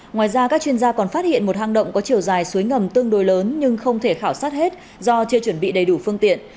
ngoài ra các chuyên gia còn phát hiện một hang động có chiều dài suối ngầm tương đối lớn nhưng không thể khảo sát hết do chưa chuẩn bị đầy đủ phương tiện